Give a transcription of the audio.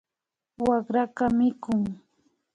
Wakraka mikun